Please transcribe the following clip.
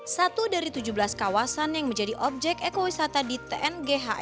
satu dari tujuh belas kawasan yang menjadi objek ekowisata di tnghi